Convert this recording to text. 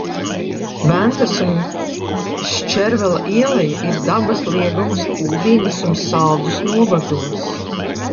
Ventas un Šķerveļa ieleja ir dabas liegums Kuldīgas un Saldus novados.